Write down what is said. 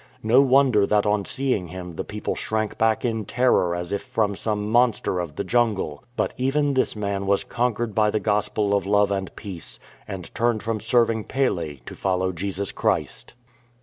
No wonder that on seeing him the people shrank back in terror as if from some monster of the jungle. But even this man was conquered by the gospel of love and peace, and turned from serving Pele to follow Jesus Christ.